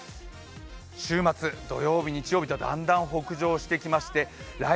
週末、土曜日、日曜日とだんだん北上してきまして来